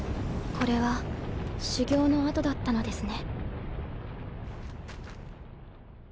これは修行の跡だったのですね。